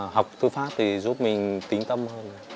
học thư pháp thì giúp mình tính tâm hơn